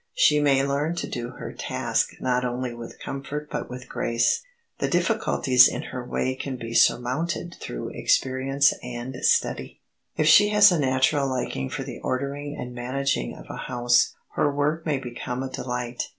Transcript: She may learn to do her task not only with comfort but with grace. The difficulties in her way can be surmounted through experience and study. If she has a natural liking for the ordering and managing of a house, her work may become a delight.